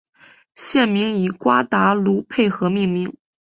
县名以瓜达卢佩河命名。